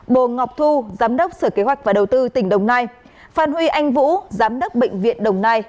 bồ ngọc thu giám đốc sở kế hoạch và đầu tư tỉnh đồng nai phan huy anh vũ giám đốc bệnh viện đồng nai